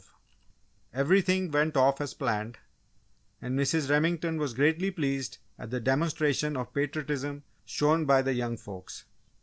_ Page 244] Everything went off as planned, and Mrs. Remington was greatly pleased at the demonstration of patriotism shown by the young folks.